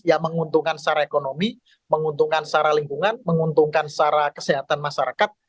yang menguntungkan secara ekonomi menguntungkan secara lingkungan menguntungkan secara kesehatan masyarakat